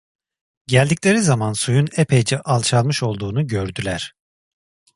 Geldikleri zaman suyun epeyce alçalmış olduğunu gördüler…